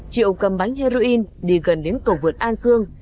triệu cầm bánh heroin đi gần đến cầu vượt an dương